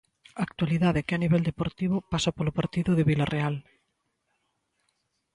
Actualidade que, a nivel deportivo, pasa polo partido de Vilarreal.